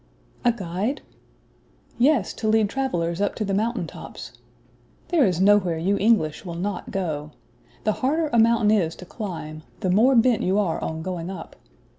"A guide?" "Yes, to lead travellers up to the mountain tops. There is nowhere you English will not go. The harder a mountain is to climb, the more bent you are on going up.